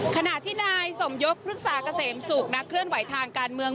ขณะที่นายสมยกพฤกษาเกษมศุกร์นักเคลื่อนไหวทางการเมือง